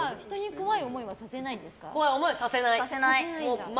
怖い思いはさせない！